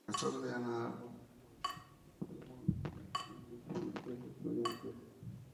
Como profesor en Ann Arbor, White formó a una generación de influyentes estudiantes.